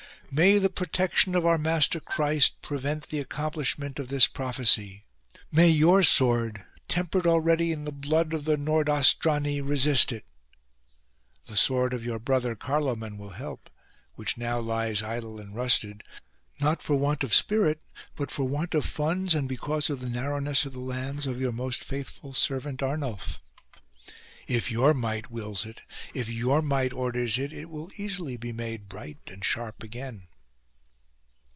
May the protection of our Master Christ prevent the accomplishment of this prophecy ; may your sword, tempered already in the blood of the Nordos trani, resist it ! The sword of your brother Carloman will help, which now lies idle and rusted, not for 139 PIPPIN, FATHER OF CHARLES want of spirit, but for want of funds, and because of the narrowness of the lands of your most faithful servant Arnulf. If your might wills it, if your might orders it, it will easily be made bright and sharp again.